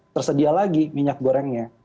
tersedia lagi minyak gorengnya